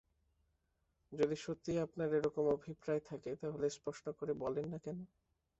যদি সত্যিই আপনার এরকম অভিপ্রায় থাকে তা হলে স্পষ্ট করে বলেন না কেন?